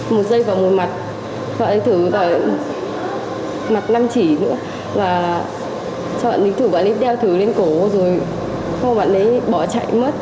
một dây vào một mặt bạn ấy thử vào mặt năm trị nữa và cho bạn ấy thử bạn ấy đeo thứ lên cổ rồi bạn ấy bỏ chạy mất